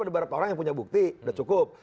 ada beberapa orang yang punya bukti sudah cukup